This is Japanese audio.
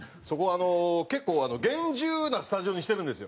あの結構厳重なスタジオにしてるんですよ。